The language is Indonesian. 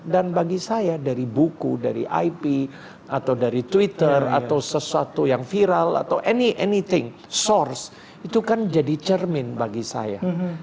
dan bagi saya dari buku dari ip atau dari twitter atau sesuatu yang viral atau anything source itu kan jadi cermin bagi saya